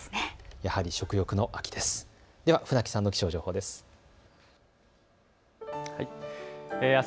やはり食欲の秋です。